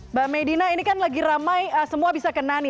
mbak meidina ini kan lagi ramai semua bisa kenani